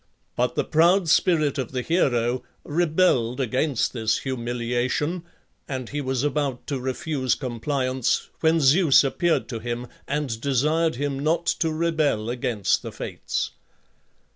But the proud spirit of the hero rebelled against this humiliation, and he was about to refuse compliance, when Zeus appeared to him and desired him not to rebel against the Fates.